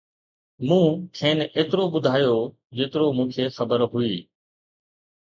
مون کين ايترو ٻڌايو، جيترو مون کي خبر هئي